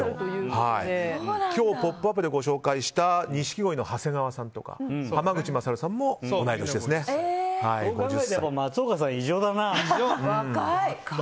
今日「ポップＵＰ！」でご紹介した錦鯉の長谷川さんとかそう考えると松岡さん異常だな。